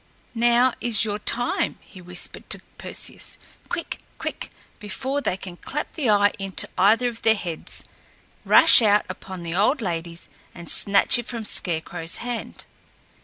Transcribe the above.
"Now is your time!" he whispered to Perseus. "Quick, quick! before they can clap the eye into either of their heads. Rush out upon the old ladies and snatch it from Scarecrow's hand!"